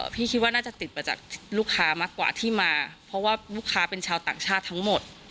คิดว่าน่าจะติดมาจากลูกค้ามากกว่าที่มาเพราะว่าลูกค้าเป็นชาวต่างชาติทั้งหมด